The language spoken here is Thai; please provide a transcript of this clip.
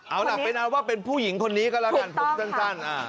เอาล่ะเป็นเอาว่าเป็นผู้หญิงคนนี้ก็แล้วกันผมสั้น